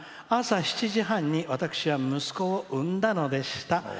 朝７時半に私は息子を産んだのでした。